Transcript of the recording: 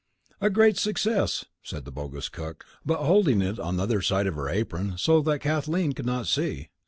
"A great success," said the bogus cook, but holding it on the other side of her apron so that Kathleen could not see.